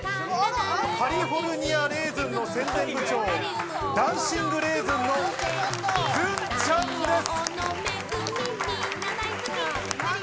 カリフォルニア・レーズンの宣伝部長、ダンシング・レーズンのズンちゃんです！